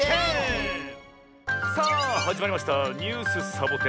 １０！さあはじまりました「ニュースサボ１０」。